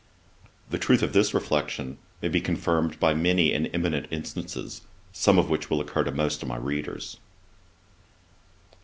The truth of this reflection may be confirmed by many and eminent instances, some of which will occur to most of my readers.